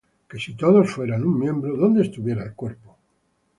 Que si todos fueran un miembro, ¿dónde estuviera el cuerpo?